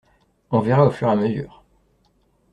On verra au fur et à mesure.